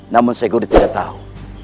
namun syekh guru tidak tahu